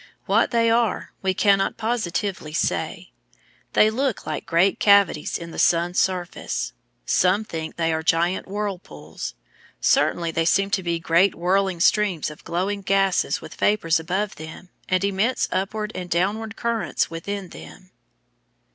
What they are we cannot positively say. They look like great cavities in the sun's surface. Some think they are giant whirlpools. Certainly they seem to be great whirling streams of glowing gases with vapours above them and immense upward and downward currents within them.